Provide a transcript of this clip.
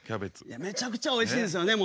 めちゃくちゃおいしいですよね。